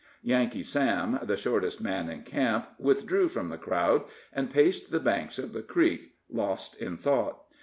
Yankee Sam, the shortest man in camp, withdrew from the crowd, and paced the banks of the creek, lost in thought.